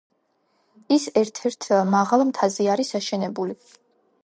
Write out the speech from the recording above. ის ერთ-ერთ მაღალ მთაზე არის აშენებული.